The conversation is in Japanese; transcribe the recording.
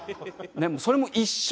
それも一緒。